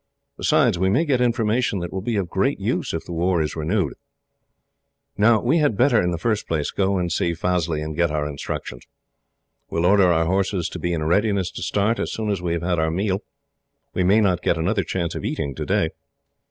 Besides, we may get information that will be of great use, if the war is renewed. "Now we had better, in the first place, go and see Fazli and get our instructions. We will order our horses to be in readiness to start, as soon as we have had our meal we may not get another chance of eating today.